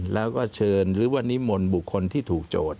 แล้วก็เชิญหรือว่านิมนต์บุคคลที่ถูกโจทย์